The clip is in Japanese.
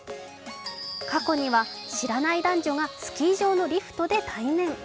過去には知らない男女がスキー場のリフトで対面。